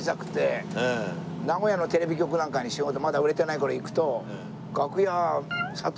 名古屋のテレビ局なんかにまだ売れてない頃行くと楽屋佐藤